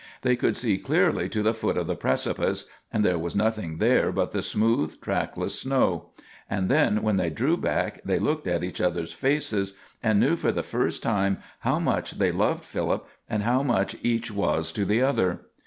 They could see clearly to the foot of the precipice, and there was nothing there but the smooth, trackless snow; and then when they drew back they looked in each other's faces and knew for the first time how much they loved Philip and how much each was to the other.